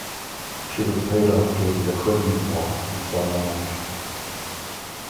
She was paid off during the Crimean War, and saw no action.